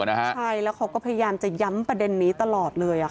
ใช่แล้วเขาก็พยายามจะย้ำประเด็นนี้ตลอดเลย